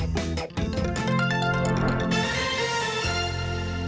โปรดติดตามตอนต่อไป